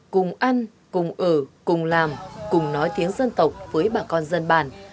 cùng ăn cùng ở cùng làm cùng nói tiếng dân tộc với bà con dân bản